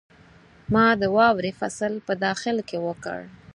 ما د واورې فصل په داخل کې وکړ.